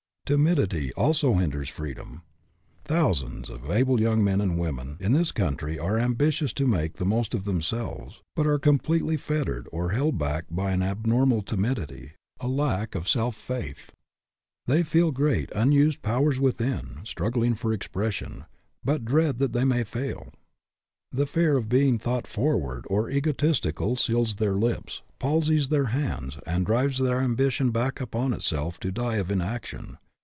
Timidity also hinders freedom. Thousands of able young men and young women in this 48 FREEDOM AT ANY COST country are ambitious to make the most of themselves, but are completely fettered or held back by an abnormal timidity, a lack of self faith. They feel great unused powers within struggling for expression, but dread that they may fail. The fear of being thought forward or egotistical seals their lips, palsies their hands, and drives their ambition back upon itself to die of inaction.